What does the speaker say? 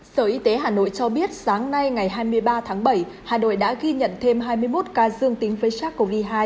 sở y tế hà nội cho biết sáng nay ngày hai mươi ba tháng bảy hà nội đã ghi nhận thêm hai mươi một ca dương tính với sars cov hai